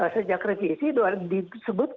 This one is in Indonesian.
sejak revisi disebut